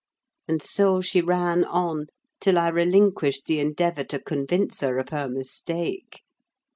And so she ran on, till I relinquished the endeavour to convince her of her mistake.